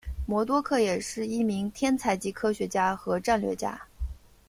魔多客也是一名天才级科学家和战略家。